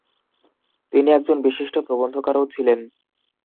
তিনি একজন বিশিষ্ট প্রবন্ধকারও ছিলেন।